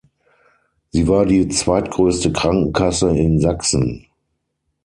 Sie war die zweitgrößte Krankenkasse in Sachsen.